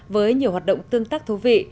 với nhiều hoạt động tương tác thú vị